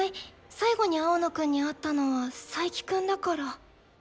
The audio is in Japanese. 最後に青野くんに会ったのは佐伯くんだから。